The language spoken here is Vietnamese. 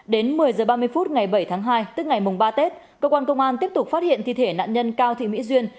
đến một mươi h ba mươi phút ngày bảy tháng hai tức ngày mùng ba tết cơ quan công an tiếp tục phát hiện thi thể nạn nhân cao thị mỹ duyên